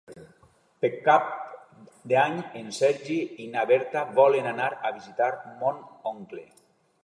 Per Cap d'Any en Sergi i na Berta volen anar a visitar mon oncle.